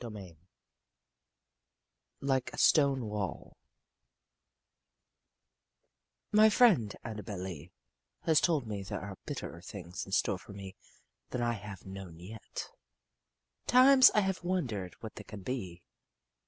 XI LIKE A STONE WALL My friend Annabel Lee has told me there are bitterer things in store for me than I have known yet. Times I have wondered what they can be.